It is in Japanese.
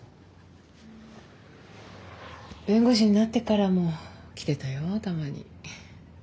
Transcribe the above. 弁護士になってからも来てたよたまに。